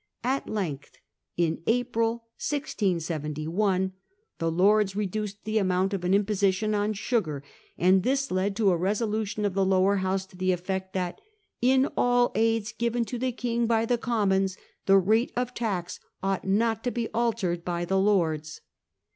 At length, in April 1671, the Lords reduced the amount of an imposi tion on sugar, and this led to a resolution of the Lower House to the effect that ' in all aids given to the King by the Commons the rate of tax ought not to be altered by the Lords.